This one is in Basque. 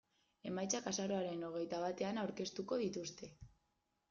Emaitzak azaroaren hogeita batean aurkeztuko dituzte.